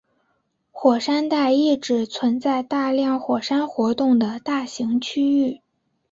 火山带意指存在大量火山活动的大型区域。